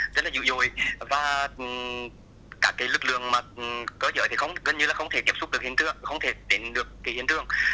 và cả cái lực lượng cơ giới thì gần như là không thể tiếp xúc được hiện trường không thể tìm được hiện trường